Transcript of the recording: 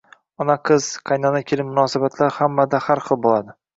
“Ona-qiz”, “qaynona-kelin” munosabatlari hammada har xil bo‘ladi.